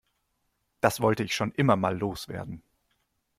Das wollte ich schon immer mal loswerden.